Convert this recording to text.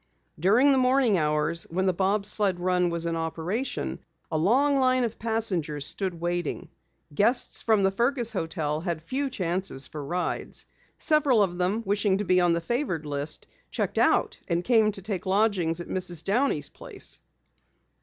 During the morning hours when the bob sled run was in operation, a long line of passengers stood waiting. Guests from the Fergus hotel had few chances for rides. Several of them, wishing to be on the favored list, checked out and came to take lodging at Mrs. Downey's place.